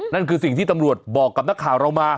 นั่นคือสิ่งที่ตำรวจบอกกับนักข่าวเรามา